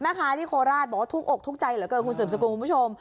แม่ค้าที่โคราชบอกว่าทุกอกทุกข์ใจเหลือเกินคุณสืบสกุลคุณผู้ชม